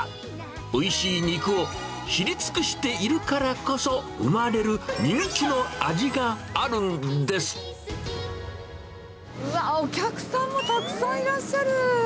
おいしい肉を知り尽くしているからこそ生まれる人気の味があるんうわっ、お客さんもたくさんいらっしゃる。